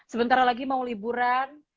sebentar lagi mau liburan